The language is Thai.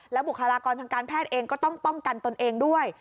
บุคลากรทางการแพทย์เองก็ต้องป้องกันตนเองด้วย